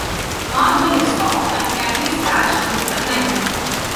Marble is soft, and can be scratched with a knife.